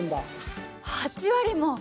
８割も！